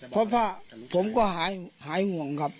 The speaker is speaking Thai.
เพราะว่าผมก็หายห่วงครับ